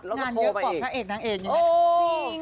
นักงานเยอะกว่าพระเอกนักเอกยังไง